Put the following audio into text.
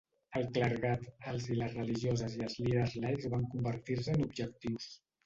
El clergat, els i les religioses i els líders laics van convertir-se en objectius.